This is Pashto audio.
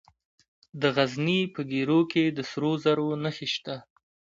د غزني په ګیرو کې د سرو زرو نښې شته.